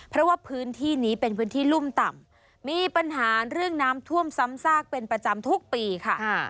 เพราะว่าพื้นที่นี้เป็นพื้นที่รุ่มต่ำมีปัญหาเรื่องน้ำท่วมซ้ำซากเป็นประจำทุกปีค่ะ